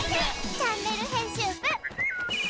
チャンネル編集部。